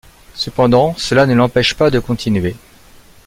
Cependant, cela ne l'empêche pas de continuer.